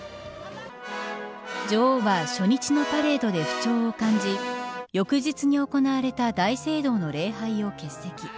女王は初日のパレードで不調を感じ翌日に行われた大聖堂の礼拝を欠席。